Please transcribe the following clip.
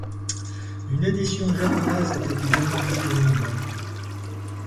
Une édition japonaise était également disponible.